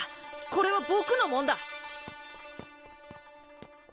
これはぼくのもんだ！